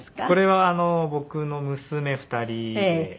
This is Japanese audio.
これは僕の娘２人で。